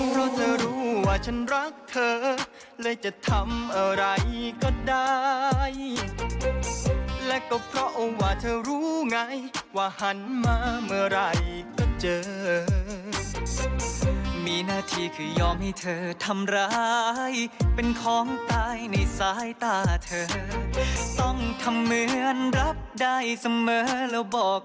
เพราะเธอรู้ว่าฉันรักเธอเลยจะทำอะไรก็ได้และก็เพราะองค์ว่าเธอรู้ไงว่าหันมาเมื่อไหร่ก็เจอมีหน้าที่คือยอมให้เธอทำร้ายเป็นของตายในสายตาเธอต้องทำเหมือนรับได้เสมอแล้วบอก